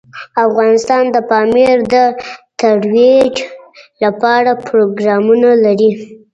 افغانستان د پامیر د ترویج لپاره پروګرامونه لري.